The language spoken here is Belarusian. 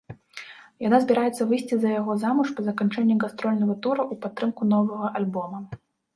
Яна збіраецца выйсці за яго замуж па заканчэнні гастрольнага тура ў падтрымку новага альбома.